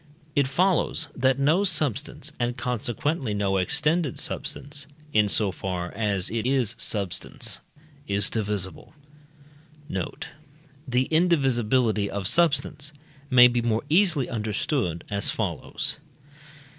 It follows, that no substance, and consequently no extended substance, in so far as it is substance, is divisible. Note. The indivisibility of substance may be more easily understood as follows.